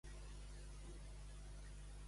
Més net que Capa.